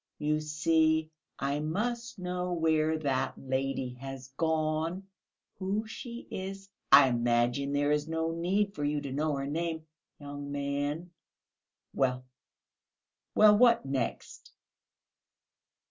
You see, I must know where that lady has gone. Who she is I imagine there is no need for you to know her name, young man." "Well, well, what next?"